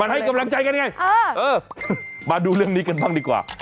ให้กำลังใจกันไงเออมาดูเรื่องนี้กันบ้างดีกว่า